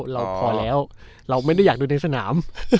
เราพอแล้วเราไม่ได้อยากดูในสนาม